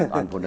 toàn phụ nữ